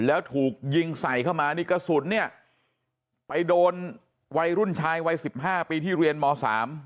แล้วถูกยิงใส่เข้ามานี่กระสุนเนี่ยไปโดนวัยรุ่นชายวัยสิบห้าปีที่เรียนม๓